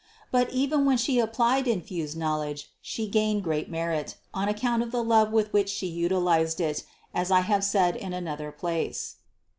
But even when She applied infused knowledge, She gained great merit, on account of the love with which She util ized it, as I have said in another place (Supra 232, 381, 384).